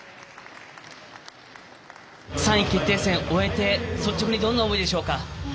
３位決定戦を終えて率直にどんな思いでしょうか。